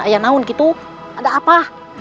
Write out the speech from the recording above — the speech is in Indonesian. ya naun gitu ada apa